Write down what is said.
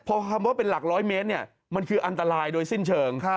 พอคำว่าเป็นหลักร้อยเมตรมันคืออันตรายโดยสิ้นเชิง